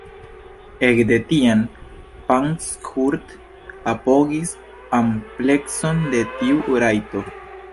Ekde tiam, Pankhurst apogis amplekson de tiu rajto.